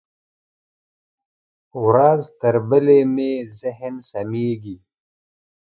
ورځ تر بلې مې ذهن سمېږي.